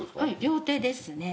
両手ですね。